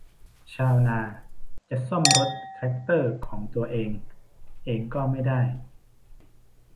ชาวนาจะซ่อมรถแทรกเตอร์ของตัวเองเองก็ไม่ได้